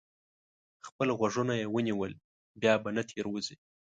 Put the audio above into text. خپل غوږونه یې ونیول؛ بیا به نه تېروځي.